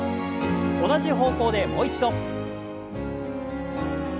同じ方向でもう一度。